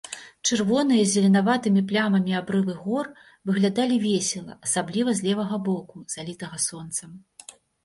Чырвоныя з зеленаватымі плямамі абрывы гор выглядалі весела, асабліва з левага боку, залітага сонцам.